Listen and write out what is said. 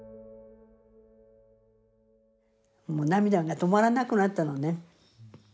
もう涙が止まらなくなったのね。